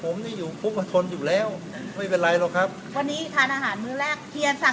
ผมได้อยู่พุกก็ทนอยู่แล้วไม่เป็นไรหรอกครับวันนี้ทานอาหารมือแรก